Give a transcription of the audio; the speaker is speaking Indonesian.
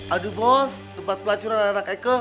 aduh bos tempat pelacuran anak eike